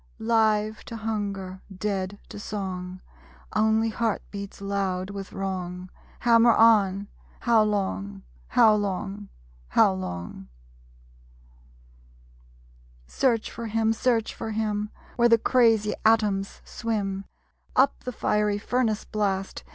Live to hunger, dead to song. Only heart beats loud with wrong Hammer on, How long? ... How long? How long? Search for him; Search for him; Where the crazy atoms swim Up the fiery furnace blast.